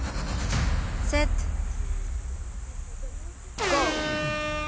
セットあ！